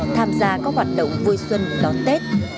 tham gia các hoạt động vui xuân đón tết